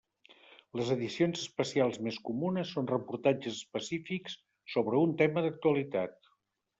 Les edicions especials més comunes són reportatges específics sobre un tema d'actualitat.